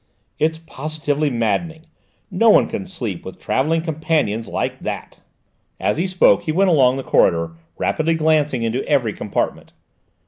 "It's positively maddening! No one can sleep, with travelling companions like that!" As he spoke he went along the corridor, rapidly glancing into every compartment.